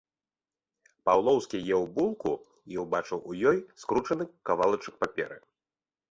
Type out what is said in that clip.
Паўлоўскі еў булку і ўбачыў у ёй скручаны кавалачак паперы.